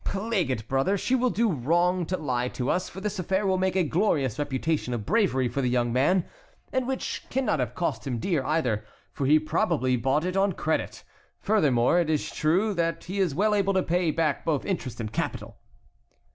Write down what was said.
"Plague it, brother! she will do wrong to lie to us, for this affair will make a glorious reputation of bravery for the young man, and which, cannot have cost him dear either, for he probably bought it on credit. Furthermore, it is true that he is well able to pay back both interest and capital."